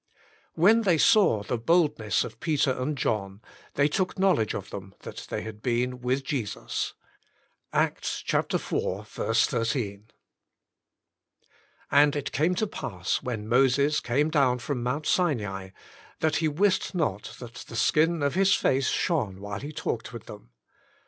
"When they saw the boldness of Peter and John they took knowledge of them, that they had been with Jesus." — Acts iv. 13. " And it came to pass when Moses came down from Mount Sinai, that he wist not that the skin of his face shone while he talked with them.